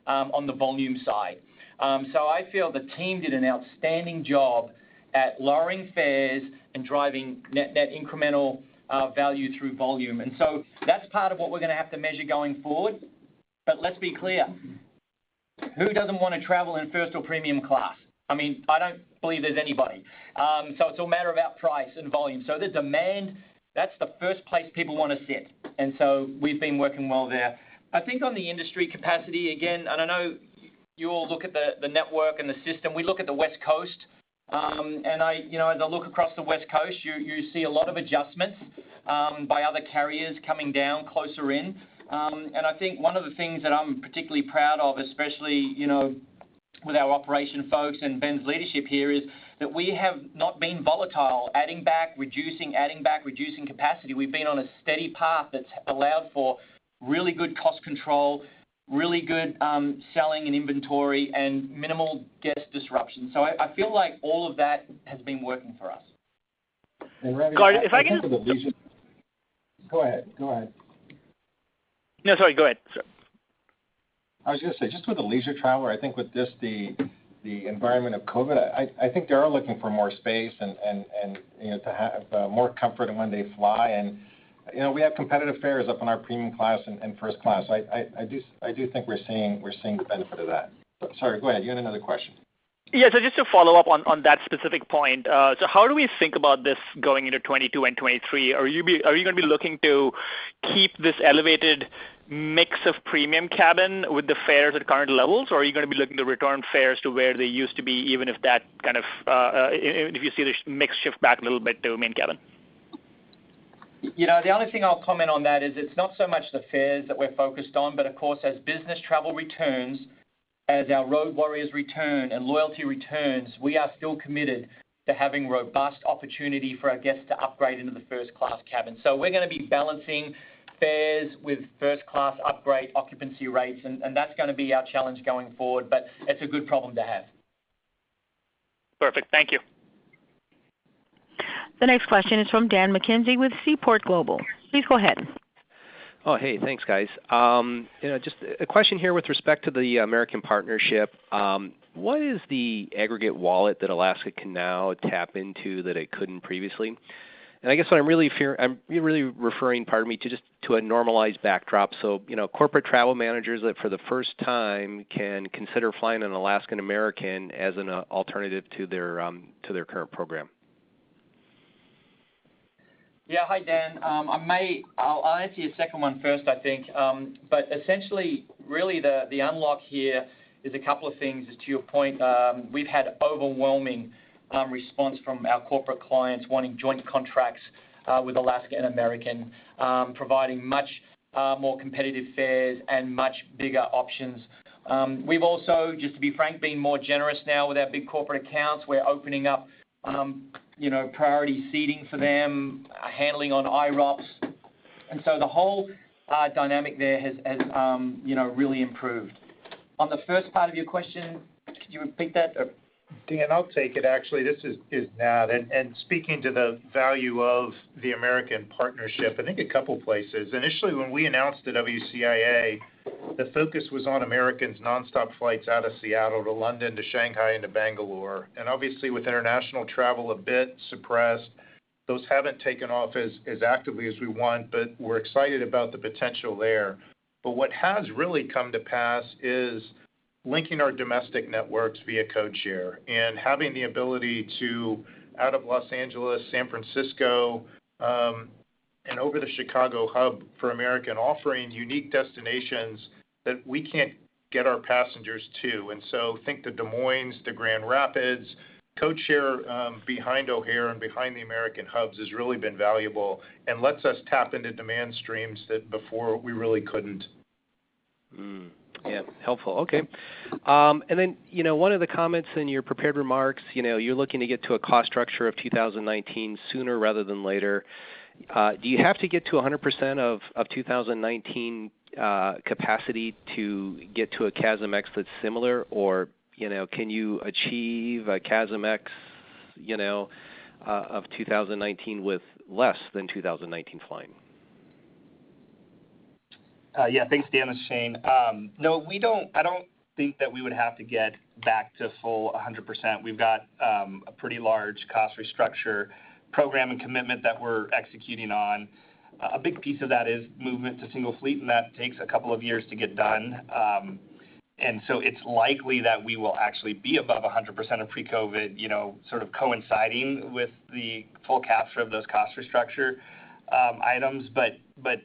on the volume side. I feel the team did an outstanding job at lowering fares and driving net incremental value through volume. That's part of what we're going to have to measure going forward. Let's be clear, who doesn't want to travel in first or premium class? I don't believe there's anybody. It's all a matter of our price and volume. The demand, that's the first place people want to sit, and so we've been working well there. I think on the industry capacity, again, and I know you all look at the network and the system. We look at the West Coast. As I look across the West Coast, you see a lot of adjustments by other carriers coming down closer in. I think one of the things that I'm particularly proud of, especially with our operation folks and Ben's leadership here, is that we have not been volatile, adding back, reducing, adding back, reducing capacity. We've been on a steady path that's allowed for really good cost control, really good selling and inventory, and minimal guest disruption. I feel like all of that has been working for us. Ravi- Pardon, Go ahead. No, sorry, go ahead. I was going to say, just with the leisure traveler, I think with just the environment of COVID, I think they are looking for more space and to have more comfort in when they fly, and we have competitive fares up in our premium class and first class. I do think we're seeing the benefit of that. Sorry, go ahead. You had another question? Just to follow up on that specific point. How do we think about this going into 2022 and 2023? Are you going to be looking to keep this elevated mix of premium cabin with the fares at current levels, or are you going to be looking to return fares to where they used to be, even if you see the mix shift back a little bit to main cabin? The only thing I'll comment on that is it's not so much the fares that we're focused on, but of course, as business travel returns, as our road warriors return and loyalty returns, we are still committed to having robust opportunity for our guests to upgrade into the first-class cabin. We're going to be balancing fares with first-class upgrade occupancy rates, and that's going to be our challenge going forward, but it's a good problem to have. Perfect. Thank you. The next question is from Dan McKenzie with Seaport Global. Please go ahead. Oh, hey. Thanks, guys. Just a question here with respect to the American partnership. What is the aggregate wallet that Alaska can now tap into that it couldn't previously? I guess what I'm really referring, pardon me, to just to a normalized backdrop, so corporate travel managers that, for the first time, can consider flying on Alaska and American as an alternative to their current program. Yeah. Hi, Dan. I'll answer your second one first, I think. Essentially, really the unlock here is a couple of things. To your point, we've had overwhelming response from our corporate clients wanting joint contracts with Alaska and American, providing much more competitive fares and much bigger options. We've also, just to be frank, been more generous now with our big corporate accounts. We're opening up priority seating for them, handling on IROPS, and so the whole dynamic there has really improved. On the first part of your question, could you repeat that? Dan, I'll take it, actually. This is Brad. Speaking to the value of the American partnership, I think a couple of places. Initially, when we announced the WCIA, the focus was on American's non-stop flights out of Seattle to London, to Shanghai, and to Bangalore. Obviously, with international travel a bit suppressed, those haven't taken off as actively as we want, but we're excited about the potential there. What has really come to pass is linking our domestic networks via code share, and having the ability to, out of Los Angeles, San Francisco, and over the Chicago hub for American, offering unique destinations that we can't get our passengers to. Think the Des Moines, the Grand Rapids, code share behind O'Hare and behind the American hubs has really been valuable and lets us tap into demand streams that before we really couldn't. Hmm. Yeah. Helpful. Okay. One of the comments in your prepared remarks, you're looking to get to a cost structure of 2019 sooner rather than later. Do you have to get to 100% of 2019 capacity to get to a CASM ex-fuel that's similar, or can you achieve a CASM ex-fuel of 2019 with less than 2019 flying? Yeah. Thanks, Dan and Shane. No, I don't think that we would have to get back to full 100%. We've got a pretty large cost restructure program and commitment that we're executing on. A big piece of that is movement to single fleet, and that takes two years to get done. It's likely that we will actually be above 100% of pre-COVID sort of coinciding with the full capture of those cost restructure items.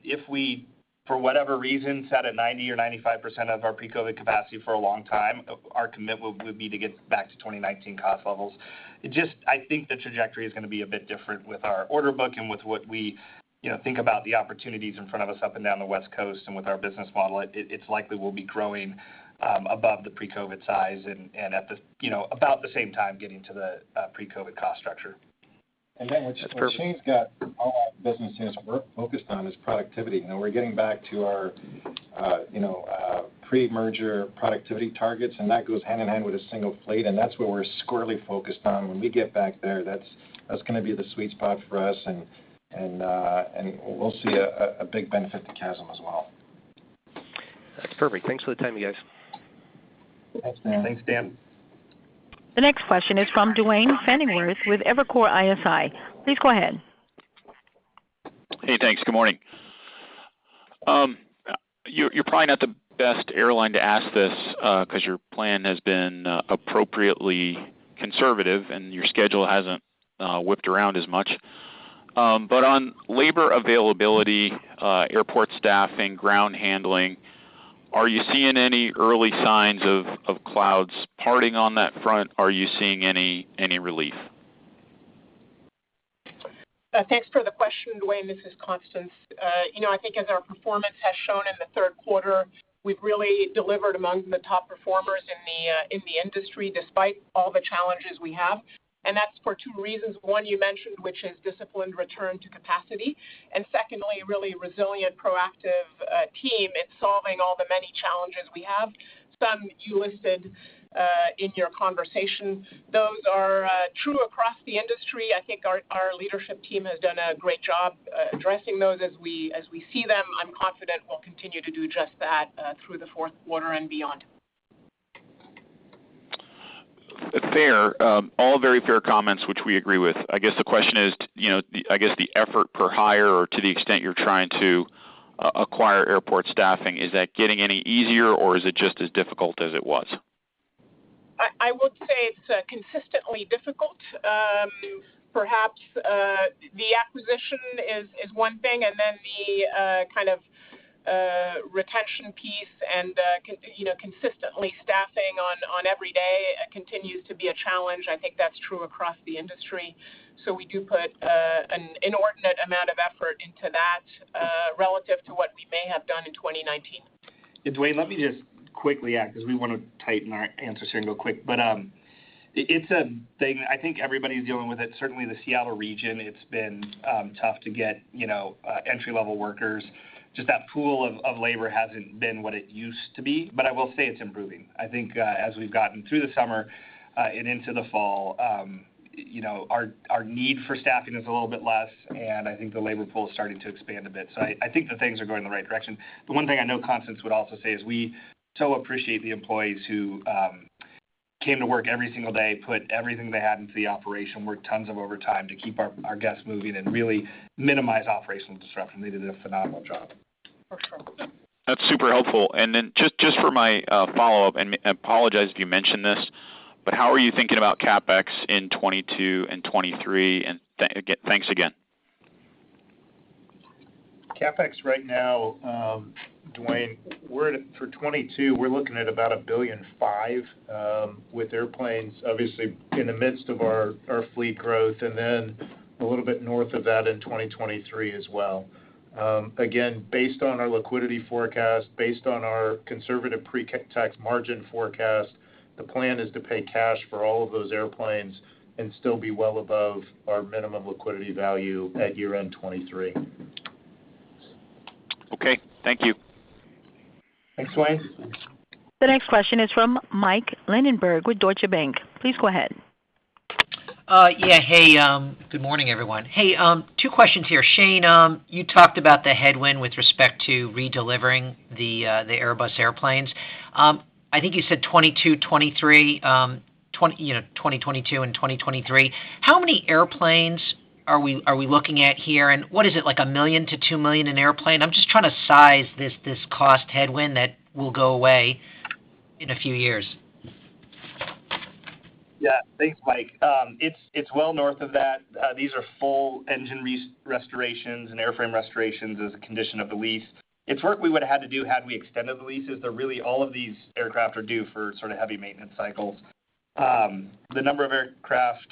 If we, for whatever reason, sat at 90% or 95% of our pre-COVID capacity for a long time, our commitment would be to get back to 2019 cost levels. The trajectory is going to be a bit different with our order book and with what we think about the opportunities in front of us up and down the West Coast and with our business model. It's likely we'll be growing above the pre-COVID size and at about the same time getting to the pre-COVID cost structure. That's perfect. What Shane's got all our business units focused on is productivity. We're getting back to our pre-merger productivity targets, and that goes hand-in-hand with a one fleet, and that's where we're squarely focused on. When we get back there, that's going to be the sweet spot for us, and we'll see a big benefit to CASM as well. That's perfect. Thanks for the time, you guys. Thanks, Dan. The next question is from Duane Pfennigwerth with Evercore ISI. Please go ahead. Hey, thanks. Good morning. You're probably not the best airline to ask this because your plan has been appropriately conservative, and your schedule hasn't whipped around as much. On labor availability, airport staffing, ground handling, are you seeing any early signs of clouds parting on that front? Are you seeing any relief? Thanks for the question, Duane. This is Constance. I think as our performance has shown in the third quarter, we've really delivered among the top performers in the industry, despite all the challenges we have. That's for two reasons. One you mentioned, which is disciplined return to capacity, and secondly, a really resilient, proactive team in solving all the many challenges we have, some that you listed in your conversation. Those are true across the industry. I think our leadership team has done a great job addressing those as we see them. I'm confident we'll continue to do just that through the fourth quarter and beyond. Fair. All very fair comments, which we agree with. I guess the question is, the effort per hire or to the extent you're trying to acquire airport staffing, is that getting any easier, or is it just as difficult as it was? I would say it's consistently difficult. Perhaps the acquisition is one thing and then the kind of Retention piece and consistently staffing on every day continues to be a challenge. I think that's true across the industry. We do put an inordinate amount of effort into that, relative to what we may have done in 2019. Duane, let me just quickly add, because we want to tighten our answers here real quick. It's a thing that I think everybody's dealing with, certainly the Seattle region, it's been tough to get entry-level workers. Just that pool of labor hasn't been what it used to be. I will say it's improving. I think as we've gotten through the summer and into the fall, our need for staffing is a little bit less, and I think the labor pool is starting to expand a bit. I think that things are going in the right direction. The one thing I know Constance would also say is we so appreciate the employees who came to work every single day, put everything they had into the operation, worked tons of overtime to keep our guests moving and really minimize operational disruption. They did a phenomenal job. For sure. That's super helpful. Just for my follow-up, I apologize if you mentioned this, how are you thinking about CapEx in 2022 and 2023? Thanks again. CapEx right now, Duane, for 2022, we're looking at about $1.5 billion with airplanes, obviously, in the midst of our fleet growth, and then a little bit north of that in 2023 as well. Again, based on our liquidity forecast, based on our conservative pre-tax margin forecast, the plan is to pay cash for all of those airplanes and still be well above our minimum liquidity value at year-end 2023. Okay. Thank you. Thanks, Duane. The next question is from Mike Linenberg with Deutsche Bank. Please go ahead. Yeah. Hey, good morning, everyone. Hey, two questions here. Shane, you talked about the headwind with respect to redelivering the Airbus airplanes. I think you said 2022 and 2023. How many airplanes are we looking at here, and what is it, like $1 million-$2 million an airplane? I'm just trying to size this cost headwind that will go away in a few years. Yeah. Thanks, Mike. It's well north of that. These are full engine restorations and airframe restorations as a condition of the lease. It's work we would've had to do had we extended the leases, though, really all of these aircraft are due for sort of heavy maintenance cycles. The number of aircraft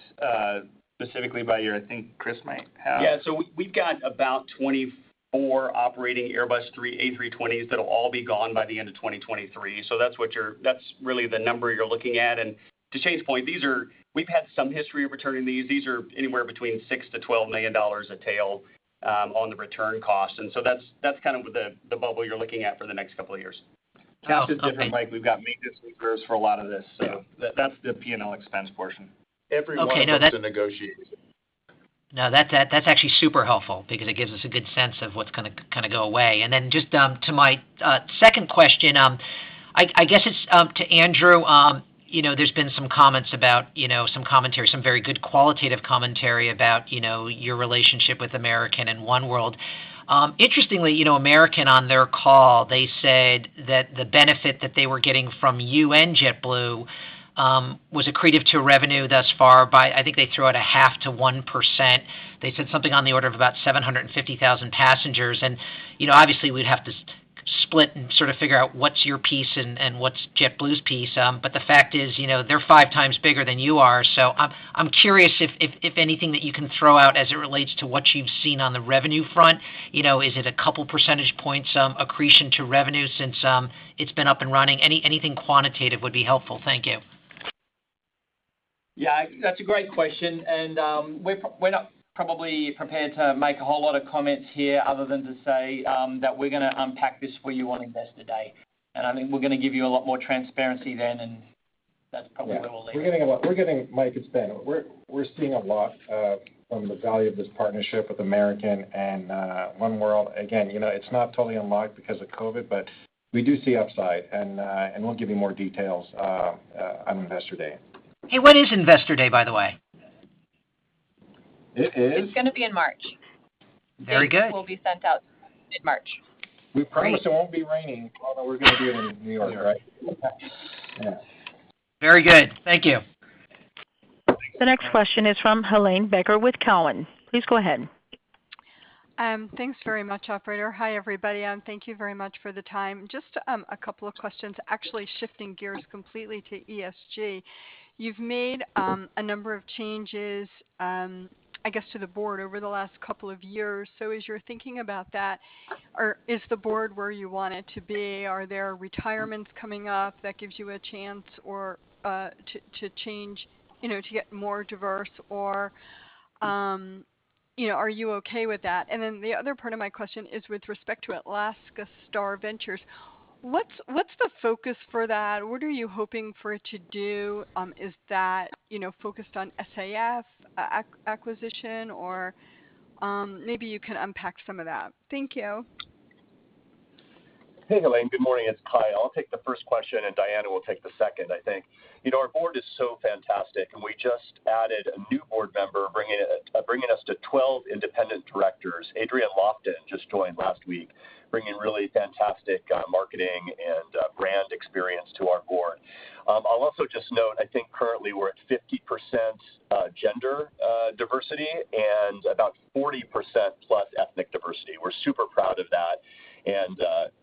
specifically by year, I think Chris might have. Yeah, we've got about 24 operating Airbus A320s that'll all be gone by the end of 2023. That's really the number you're looking at. To Shane's point, we've had some history of returning these. These are anywhere between $6 million-$12 million a tail on the return cost, and so that's kind of the bubble you're looking at for the next couple of years. Okay. CapEx is different, Mike. We've got maintenance reserves for a lot of this, so that's the P&L expense portion. Every one of them. Okay. No. is a negotiation. No, that's actually super helpful because it gives us a good sense of what's going to kind of go away. Then just to my second question, I guess it's to Andrew. There's been some commentary, some very good qualitative commentary about your relationship with American and Oneworld. Interestingly, American on their call, they said that the benefit that they were getting from you and JetBlue was accretive to revenue thus far by, I think they threw out a half to 1%. They said something on the order of about 750,000 passengers, and obviously we'd have to split and sort of figure out what's your piece and what's JetBlue's piece. The fact is they're five times bigger than you are, so I'm curious if anything that you can throw out as it relates to what you've seen on the revenue front. Is it a couple percentage points accretion to revenue since it's been up and running? Anything quantitative would be helpful. Thank you. Yeah, that's a great question, and we're not probably prepared to make a whole lot of comments here other than to say that we're going to unpack this for you on Investor Day. I think we're going to give you a lot more transparency then, and that's probably where we'll leave it. Yeah. Mike, it's Ben. We're seeing a lot from the value of this partnership with American and Oneworld. Again, it's not totally unlocked because of COVID, but we do see upside, and we'll give you more details on Investor Day. Hey, what is Investor Day, by the way? It is- It's going to be in March. Very good. Date will be sent out mid-March. Great. We promise it won't be raining, although we're going to be in New York, right? Yeah. Very good. Thank you. The next question is from Helane Becker with Cowen. Please go ahead. Thanks very much, operator. Hi, everybody, and thank you very much for the time. Just a couple of questions, actually shifting gears completely to ESG. You've made a number of changes, I guess, to the board over the last couple of years. As you're thinking about that, is the board where you want it to be? Are there retirements coming up that gives you a chance or to change to get more diverse, or are you okay with that? The other part of my question is with respect to Alaska Star Ventures. What's the focus for that? What are you hoping for it to do? Is that focused on SAF acquisition, or maybe you can unpack some of that. Thank you. Hey, Helane. Good morning. It's Kyle. I'll take the first question. Diana will take the second, I think. Our board is so fantastic. We just added a new board member, bringing us to 12 independent directors. Adrienne Lofton just joined last week, bringing really fantastic marketing and brand experience to our board. I'll also just note, I think currently we're at 50% gender diversity and about 40%-plus ethnic diversity. We're super proud of that, and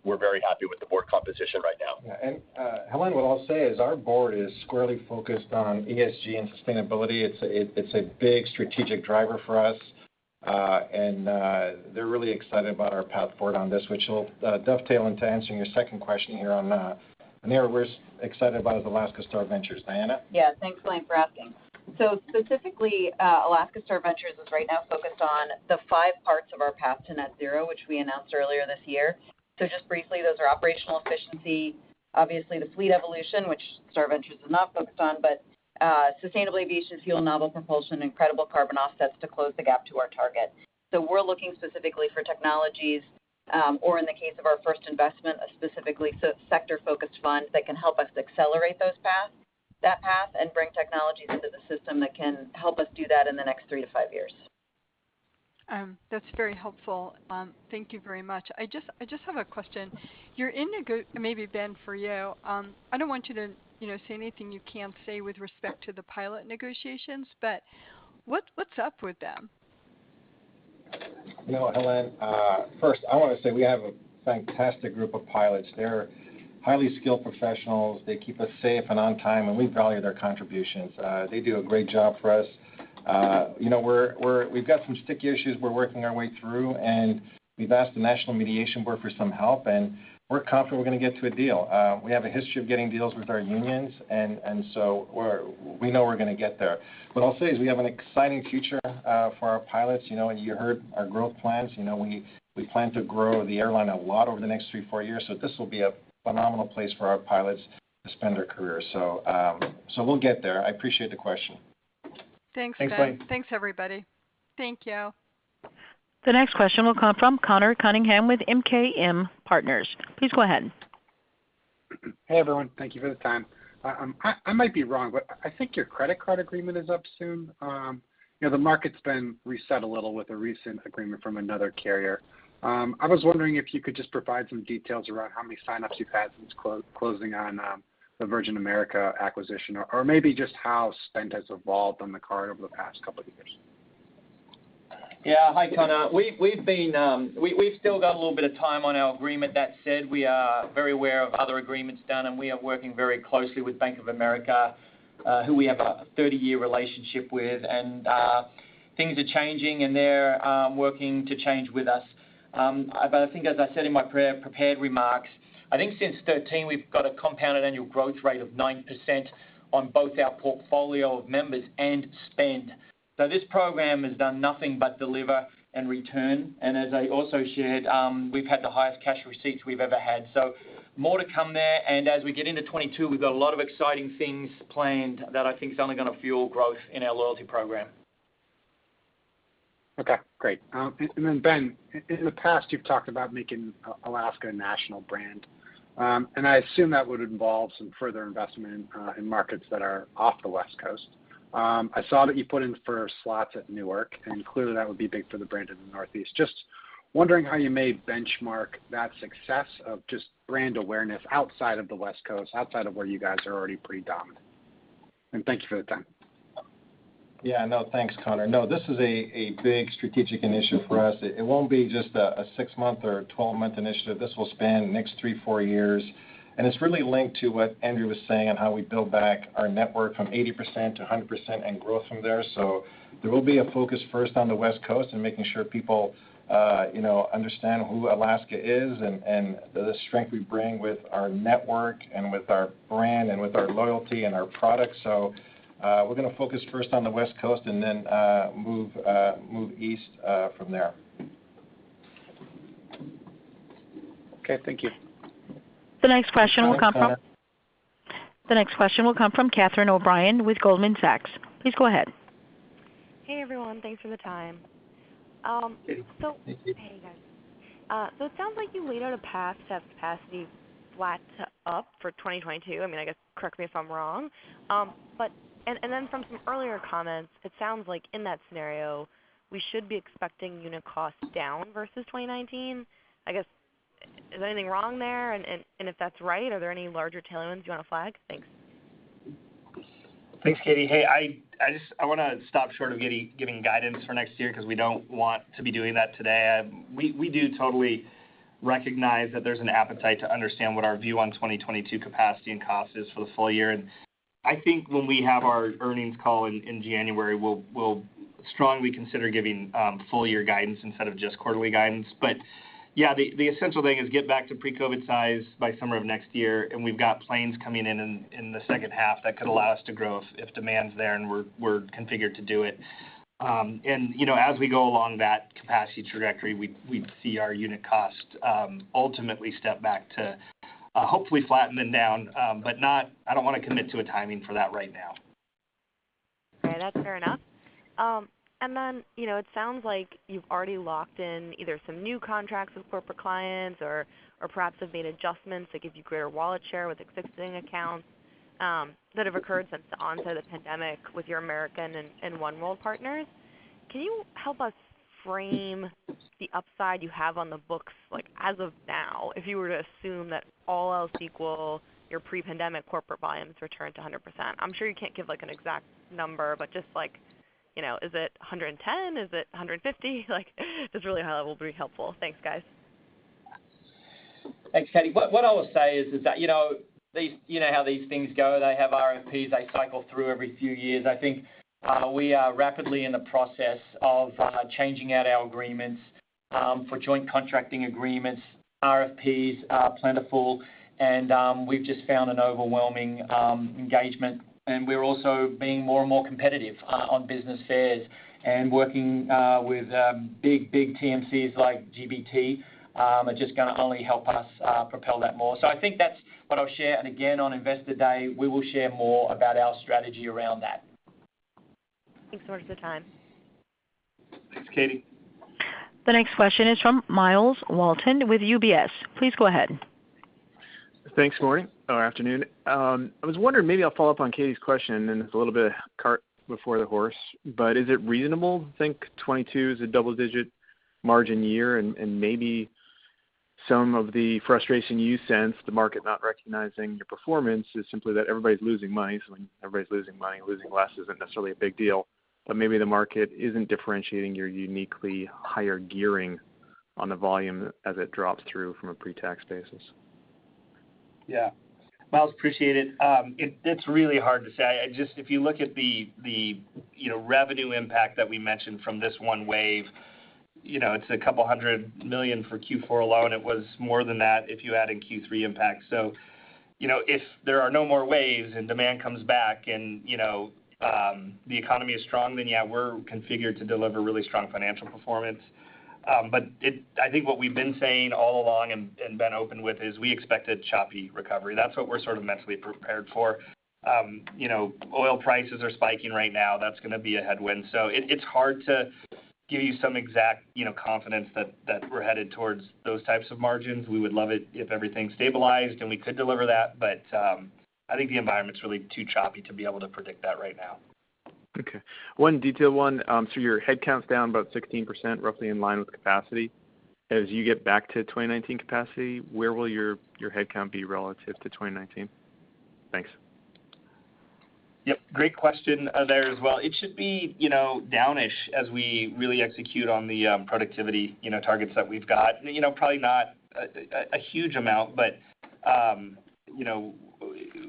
we're very happy with the board composition right now. Yeah. Helane, what I'll say is our board is squarely focused on ESG and sustainability. It's a big strategic driver for us, and they're really excited about our path forward on this, which will dovetail into answering your second question here. We're excited about is Alaska Star Ventures. Diana? Thanks, Helane, for asking. Specifically, Alaska Star Ventures is right now focused on the five parts of our path to net zero, which we announced earlier this year. Just briefly, those are operational efficiency, obviously the fleet evolution, which Star Ventures is not focused on, but sustainable aviation fuel, novel propulsion, and credible carbon offsets to close the gap to our target. We're looking specifically for technologies, or in the case of our first investment, a specifically sector-focused fund that can help us accelerate that path and bring technologies into the system that can help us do that in the next three to five years. That's very helpful. Thank you very much. I just have one question. Maybe Ben, for you. I don't want you to say anything you can't say with respect to the pilot negotiations, but what's up with them? Helane, first I want to say we have a fantastic group of pilots. They're highly skilled professionals. They keep us safe and on time, and we value their contributions. They do a great job for us. We've got some sticky issues we're working our way through, and we've asked the National Mediation Board for some help, and we're confident we're going to get to a deal. We have a history of getting deals with our unions, and so we know we're going to get there. What I'll say is we have an exciting future for our pilots. You heard our growth plans. We plan to grow the airline a lot over the next three, four years. This will be a phenomenal place for our pilots to spend their career. We'll get there. I appreciate the question. Thanks, Ben. Thanks. Thanks, everybody. Thank you. The next question will come from Conor Cunningham with MKM Partners. Please go ahead. Hey, everyone. Thank you for the time. I might be wrong, but I think your credit card agreement is up soon. The market's been reset a little with a recent agreement from another carrier. I was wondering if you could just provide some details around how many sign-ups you've had since closing on the Virgin America acquisition, or maybe just how spend has evolved on the card over the past couple of years. Hi, Conor. We've still got a little bit of time on our agreement. We are very aware of other agreements done, and we are working very closely with Bank of America, who we have a 30-year relationship with. Things are changing, and they're working to change with us. I think as I said in my prepared remarks, I think since 2013, we've got a compounded annual growth rate of 9% on both our portfolio of members and spend. This program has done nothing but deliver and return. As I also shared, we've had the highest cash receipts we've ever had. More to come there. As we get into 2022, we've got a lot of exciting things planned that I think is only going to fuel growth in our loyalty program. Okay, great. Ben, in the past, you've talked about making Alaska a national brand. I assume that would involve some further investment in markets that are off the West Coast. I saw that you put in for slots at Newark, clearly that would be big for the brand in the Northeast. Just wondering how you may benchmark that success of just brand awareness outside of the West Coast, outside of where you guys are already pretty dominant. Thank you for the time. No, thanks, Conor. No, this is a big strategic initiative for us. It won't be just a six-month or a 12-month initiative. This will span the next three-years years, and it's really linked to what Andrew was saying on how we build back our network from 80%-100% and grow from there. There will be a focus first on the West Coast and making sure people understand who Alaska is and the strength we bring with our network and with our brand and with our loyalty and our products. We're going to focus first on the West Coast and then move east from there. Okay. Thank you. The next question will come from. Thanks, Conor. The next question will come from Catherine O'Brien with Goldman Sachs. Please go ahead. Hey, everyone. Thanks for the time. Katie. Hey, guys. It sounds like you laid out a path to have capacity flat to up for 2022. I guess, correct me if I'm wrong. From some earlier comments, it sounds like in that scenario, we should be expecting unit cost down versus 2019. I guess, is anything wrong there? If that's right, are there any larger tailwinds you want to flag? Thanks. Thanks, Katie. Hey, I want to stop short of giving guidance for next year because we don't want to be doing that today. We do totally recognize that there's an appetite to understand what our view on 2022 capacity and cost is for the full year. I think when we have our earnings call in January, we'll strongly consider giving full-year guidance instead of just quarterly guidance. Yeah, the essential thing is get back to pre-COVID size by summer of next year. We've got planes coming in in the second half that could allow us to grow if demand's there and we're configured to do it. As we go along that capacity trajectory, we'd see our unit cost ultimately step back to hopefully flatten down, but I don't want to commit to a timing for that right now. Okay, that's fair enough. Then it sounds like you've already locked in either some new contracts with corporate clients or perhaps have made adjustments that give you greater wallet share with existing accounts that have occurred since the onset of the pandemic with your American and Oneworld partners. Can you help us frame the upside you have on the books as of now, if you were to assume that all else equal, your pre-pandemic corporate volumes return to 100%? I'm sure you can't give an exact number, but just, is it 110? Is it 150? Just really high level would be helpful. Thanks, guys. Thanks, Katie. What I will say is that, you know how these things go. They have RFPs, they cycle through every few years. I think we are rapidly in the process of changing out our agreements for joint contracting agreements. RFPs are plentiful and we've just found an overwhelming engagement and we're also being more and more competitive on business fares and working with big TMCs like GBT, are just going to only help us propel that more. I think that's what I'll share. Again, on Investor Day, we will share more about our strategy around that. Thanks so much for the time. Thanks, Katie. The next question is from Myles Walton with UBS. Please go ahead. Thanks. Morning or afternoon. I was wondering, maybe I'll follow up on Katie's question. It's a little bit cart before the horse, is it reasonable to think 2022 is a double-digit margin year? Maybe some of the frustration you sense the market not recognizing your performance is simply that everybody's losing money. When everybody's losing money, losing less isn't necessarily a big deal, maybe the market isn't differentiating your uniquely higher gearing on the volume as it drops through from a pre-tax basis. Myles, appreciate it. It's really hard to say. If you look at the revenue impact that we mentioned from this one wave, it's a couple hundred million for Q4 alone. It was more than that if you add in Q3 impact. If there are no more waves and demand comes back and the economy is strong, we're configured to deliver really strong financial performance. I think what we've been saying all along and been open with is we expected choppy recovery. That's what we're sort of mentally prepared for. Oil prices are spiking right now. That's going to be a headwind. It's hard to give you some exact confidence that we're headed towards those types of margins. We would love it if everything stabilized and we could deliver that, but I think the environment's really too choppy to be able to predict that right now. Okay. One detailed one. Your headcount's down about 16%, roughly in line with capacity. As you get back to 2019 capacity, where will your headcount be relative to 2019? Thanks. Yep, great question there as well. It should be down-ish as we really execute on the productivity targets that we've got. Probably not a huge amount, but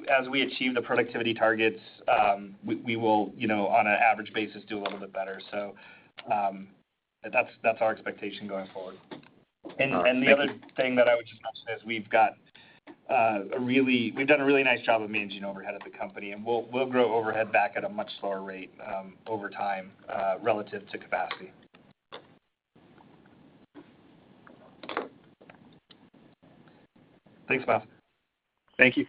as we achieve the productivity targets, we will, on an average basis, do a little bit better. That's our expectation going forward. All right. Thank you. The other thing that I would just mention is we've done a really nice job of managing overhead at the company, and we'll grow overhead back at a much slower rate over time relative to capacity. Thanks, Myles. Thank you.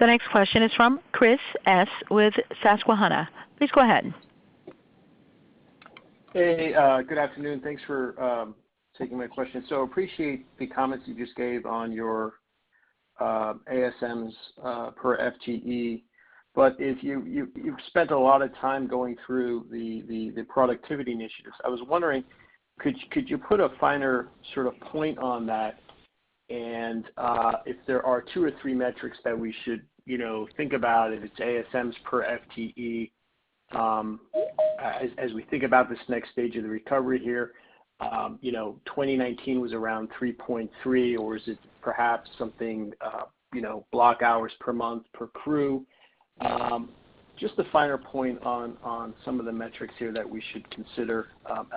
The next question is from Chris S. with Susquehanna. Please go ahead. Hey, good afternoon. Thanks for taking my question. Appreciate the comments you just gave on your ASMs per FTE. You've spent a lot of time going through the productivity initiatives. I was wondering, could you put a finer sort of point on that and if there are two or three metrics that we should think about if it's ASMs per FTE as we think about this next stage of the recovery here? 2019 was around 3.3 or is it perhaps something block hours per month per crew? Just a finer point on some of the metrics here that we should consider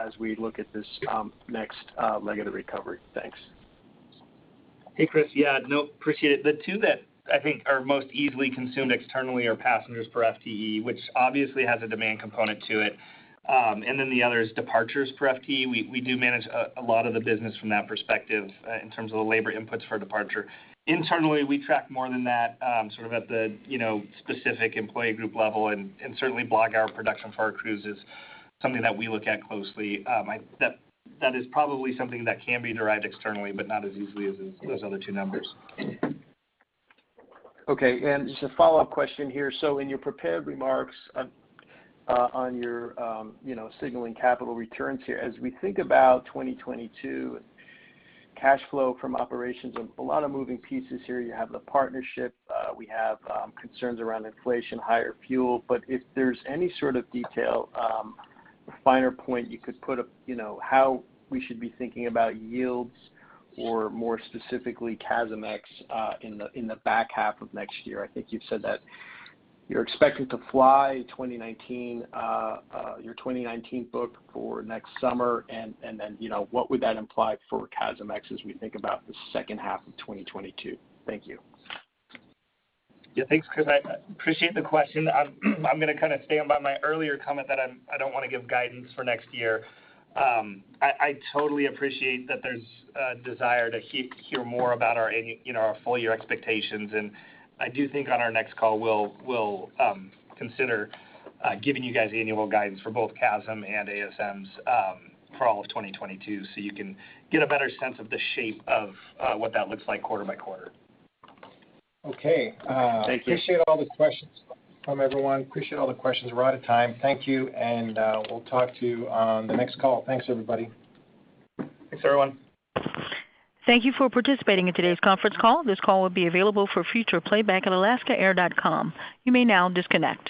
as we look at this next leg of the recovery. Thanks. Hey, Chris. Yeah. No, appreciate it. The two that I think are most easily consumed externally are passengers per FTE, which obviously has a demand component to it. The other is departures per FTE. We do manage a lot of the business from that perspective in terms of the labor inputs for departure. Internally, we track more than that sort of at the specific employee group level and certainly block hour production for our crews is something that we look at closely. That is probably something that can be derived externally, but not as easily as those other two numbers. Just a follow-up question here. In your prepared remarks on your signaling capital returns here, as we think about 2022 cash flow from operations and a lot of moving pieces here, you have the partnership, we have concerns around inflation, higher fuel, if there's any sort of detail, a finer point you could put how we should be thinking about yields or more specifically CASM ex in the back half of next year. I think you've said that you're expecting to fly your 2019 book for next summer what would that imply for CASM ex as we think about the second half of 2022? Thank you. Yeah. Thanks, Chris. I appreciate the question. I'm going to kind of stand by my earlier comment that I don't want to give guidance for next year. I totally appreciate that there's a desire to hear more about our full-year expectations, and I do think on our next call, we'll consider giving you guys annual guidance for both CASM and ASMs for all of 2022 so you can get a better sense of the shape of what that looks like quarter by quarter. Okay. Thank you. Appreciate all the questions from everyone. Appreciate all the questions. We're out of time. Thank you, and we'll talk to you on the next call. Thanks, everybody. Thanks, everyone. Thank you for participating in today's conference call. This call will be available for future playback at alaskaair.com. You may now disconnect.